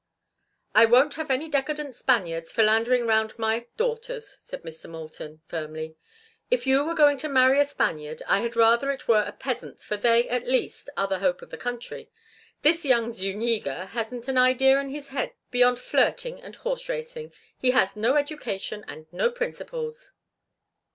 "I won't have any decadent Spaniards philandering round my daughters," said Mr. Moulton, firmly. "If you were going to marry a Spaniard I had rather it were a peasant, for they, at least, are the hope of the country. This young Zuñiga hasn't an idea in his head beyond flirting and horse racing. He has no education and no principles."